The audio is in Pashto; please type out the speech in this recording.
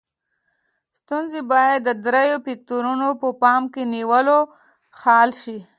ستونزې باید د دریو فکتورونو په پام کې نیولو حل شي.